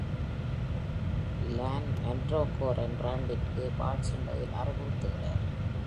லான் Mandragoran ராண்டிற்கு வாள் சண்டையில் அறிவுறுத்துகிறார்.